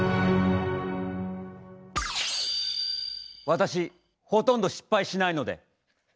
私ほとんど失敗しないので。